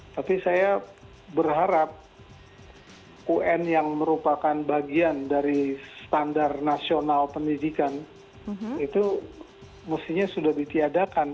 tapi saya berharap un yang merupakan bagian dari standar nasional pendidikan itu mestinya sudah ditiadakan